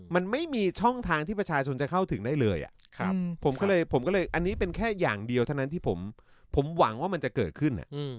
มันไม่มีช่องทางที่ประชาชนจะเข้าถึงได้เลยผมก็เลยผมก็เลยอันนี้เป็นแค่อย่างเดียวเท่านั้นที่ผมหวังว่ามันจะเกิดขึ้น